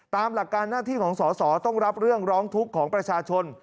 ตามหลักการหน้าที่ของสอสอต้องรับเรื่องร้องทุกข์ของประชาชน